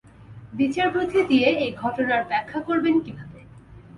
বিচারবুদ্ধি দিয়ে এ ঘটনার ব্যাখ্যা করবেন কীভাবে?